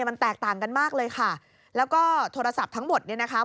มันแตกต่างกันมากเลยค่ะแล้วก็โทรศัพท์ทั้งหมดเนี่ยนะคะ